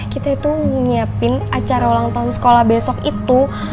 kita itu nyiapin acara ulang tahun sekolah besok itu